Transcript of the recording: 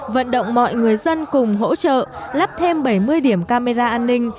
vận động mọi người dân cùng hỗ trợ lắp thêm bảy mươi điểm camera an ninh